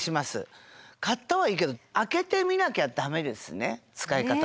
買ったはいいけど開けてみなきゃ駄目ですね使い方を。